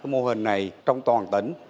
mô hình này trong toàn tỉnh